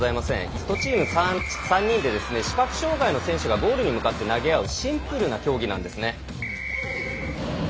１チーム３人で視覚障がいの選手がゴールに向かって投げ合うシンプルな競技なんですね。